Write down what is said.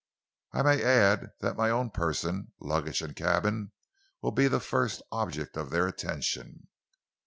I may add that my own person, luggage and cabin will be the first object of their attention."